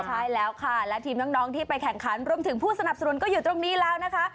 ใช่แล้วค่ะและทีมน้องที่ไปแข่งขันรวมถึงผู้สนับสนุนก็อยู่ตรงนี้แล้วนะคะ